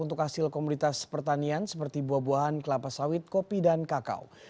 untuk hasil komoditas pertanian seperti buah buahan kelapa sawit kopi dan kakao